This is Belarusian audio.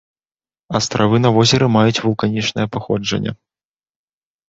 Астравы на возеры маюць вулканічнае паходжанне.